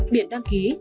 biệt đăng ký